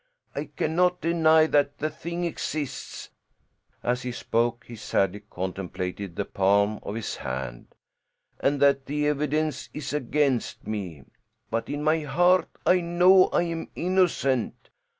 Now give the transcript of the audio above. I cannot deny that the thing exists" as he spoke he sadly contemplated the palm of his hand "and that the evidence is against me. But in my heart I know I am innocent.